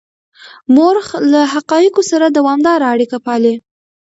مورخ له حقایقو سره دوامداره اړیکه پالي.